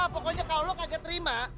pokoknya kalau lo tidak terima